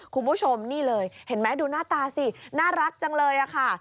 คุณผู้ชมนี่เลยเห็นไหมดูหน้าตาสิน่ารักจังเลยค่ะ